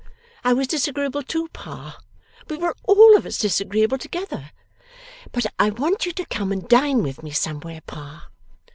I was disagreeable too, Pa; we were all of us disagreeable together. But I want you to come and dine with me somewhere, Pa.